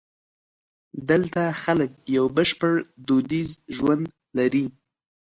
دلته خلک یو بشپړ دودیز ژوند لري.